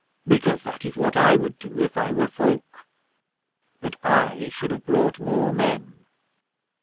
'"Because that is what I would do if I were Fulke, but I should have brought more men.